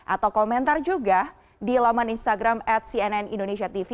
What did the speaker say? atau komentar juga di laman instagram atcnnindonesiatv